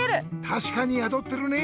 たしかにやどってるね！